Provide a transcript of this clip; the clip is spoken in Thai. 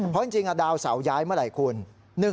เพราะจริงดาวเสาย้ายเมื่อไหร่คุณ